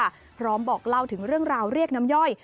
พร้อมบอกเล่าถึงเรื่องราวเรียกน้ำย่อย